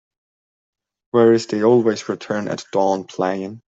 Where is They Always Return at Dawn playing